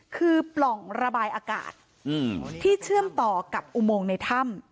คือปล่องระบายอากาศที่เชื่อมต่อกับอุโมงในถ้ำ